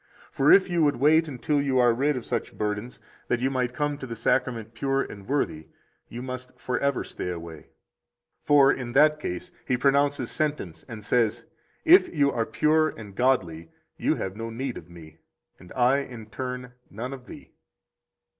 73 For if you would wait until you are rid of such burdens, that you might come to the Sacrament pure and worthy, you must forever stay away. For in that case He pronounces sentence and says: 74 If you are pure and godly, you have no need of Me, and I, in turn, none of thee.